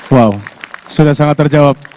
wow sudah sangat terjawab